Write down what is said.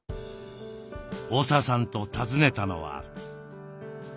大澤さんと訪ねたのは。